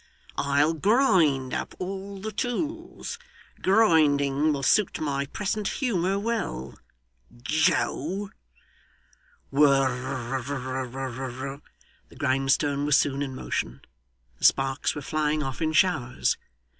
I'll grind up all the tools. Grinding will suit my present humour well. Joe!' Whirr r r r. The grindstone was soon in motion; the sparks were flying off in showers.